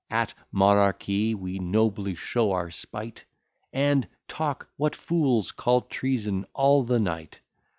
At monarchy we nobly show our spight, And talk, what fools call treason, all the night.